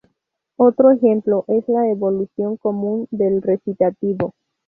Otro ejemplo es la evolución común del recitativo.